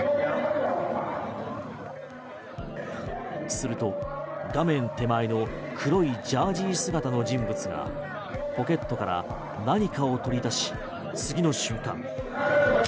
すると、画面手前の黒いジャージー姿の人物がポケットから何かを取り出し、次の瞬間。